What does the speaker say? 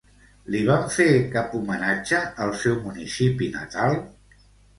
Li van fer cap homenatge al seu municipi natal?